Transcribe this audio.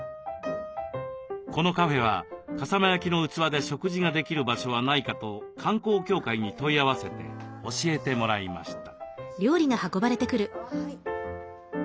このカフェは笠間焼の器で食事ができる場所はないかと観光協会に問い合わせて教えてもらいました。